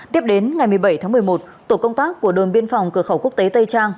tiếp đến ngày một mươi bảy tháng một mươi một tổ công tác của đồn biên phòng cửa khẩu quốc tế tây trang